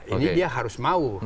ini dia harus mau